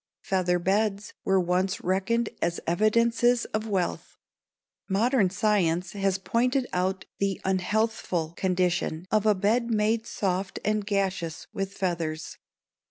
Feather beds were once reckoned as evidences of wealth. Modern science has pointed out the unhealthful condition of a bed made soft and gaseous with feathers.